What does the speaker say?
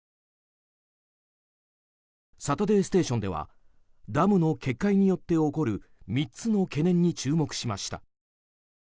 「サタデーステーション」ではダムの決壊によって起こる３つの懸念に注目しました。